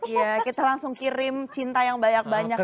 iya kita langsung kirim cinta yang banyak banyak